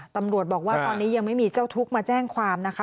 ตำรวจบอกว่าตอนนี้ยังไม่มีเจ้าทุกข์มาแจ้งความนะคะ